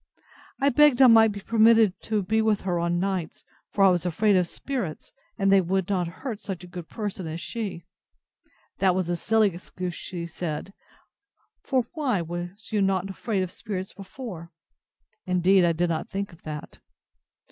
I begged I might be permitted to be with her on nights; for I was afraid of spirits, and they would not hurt such a good person as she. That was a silly excuse, she said; for why was not you afraid of spirits before?—(Indeed I did not think of that.)